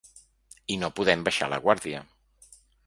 I no podem baixar la guàrdia.